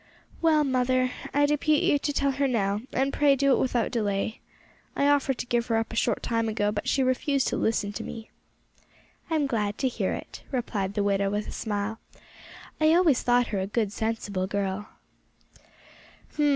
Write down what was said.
"Well, mother, I depute you to tell her now, and pray do it without delay. I offered to give her up a short time ago, but she refused to listen to me." "I'm glad to hear it," replied the widow with a smile. "I always thought her a good, sensible girl."